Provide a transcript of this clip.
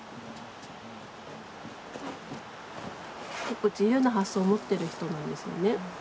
結構自由な発想を持ってる人なんですよね。